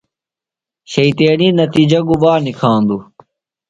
شیطینی نتیِجہ گُبا نِکھاندُوۡ؟